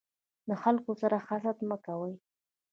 د خلکو سره حسد مه کوی.